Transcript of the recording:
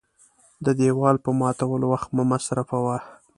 د دېوال په ماتولو وخت مه مصرفوه .